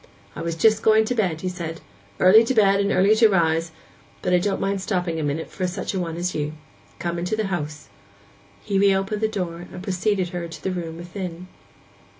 'I was just going to bed,' he said; '"Early to bed and early to rise," but I don't mind stopping a minute for such a one as you. Come into house.' He reopened the door, and preceded her to the room within.